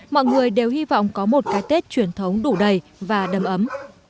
mọi người đều hy vọng có một cái tết truyền thống đủ đầy và đầm ấm